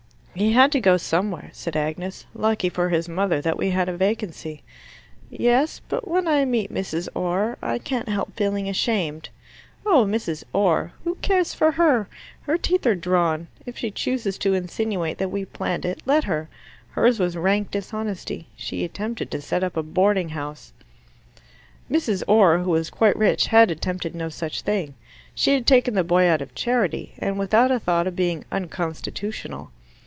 "He had to go somewhere," said Agnes. "Lucky for his mother that we had a vacancy." "Yes but when I meet Mrs. Orr I can't help feeling ashamed." "Oh, Mrs. Orr! Who cares for her? Her teeth are drawn. If she chooses to insinuate that we planned it, let her. Hers was rank dishonesty. She attempted to set up a boarding house." Mrs. Orr, who was quite rich, had attempted no such thing. She had taken the boy out of charity, and without a thought of being unconstitutional.